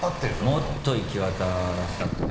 もっと行き渡らせたくて。